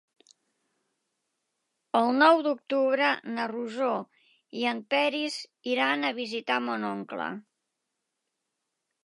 El nou d'octubre na Rosó i en Peris iran a visitar mon oncle.